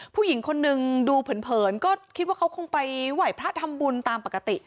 ผู้หญิงคนนึงดูเผินก็คิดว่าเขาคงไปไหว้พระทำบุญตามปกติ